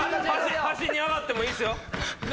端に上がってもいいっすよ。